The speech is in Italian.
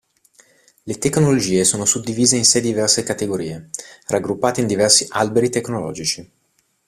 Le tecnologie sono suddivise in sei diverse categorie, raggruppate in diversi "alberi tecnologici".